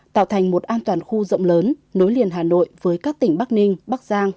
tạo thành một an toàn khu rộng lớn nối liền hà nội với các tỉnh bắc ninh bắc giang